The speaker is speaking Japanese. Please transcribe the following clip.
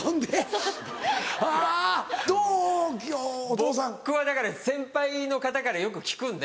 僕はだから先輩の方からよく聞くんで。